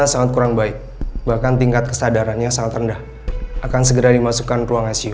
sangat kurang baik bahkan tingkat kesadarannya sangat rendah akan segera dimasukkan ke ruang icu